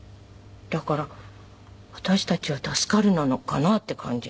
だから私たちは助かるのかな？って感じなんです。